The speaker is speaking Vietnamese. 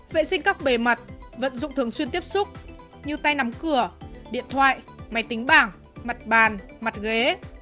vệ sinh các bề mặt vận dụng thường xuyên tiếp xúc như tay nắm cửa điện thoại máy tính bảng mặt bàn mặt ghế